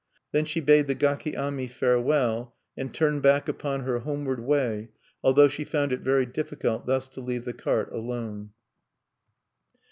Then she bade the gaki ami farewell, and turned back upon her homeward way, although she found it very difficult thus to leave the cart alone.